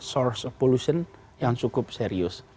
dan juga source of pollution yang cukup serius